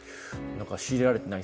仕入れられてない？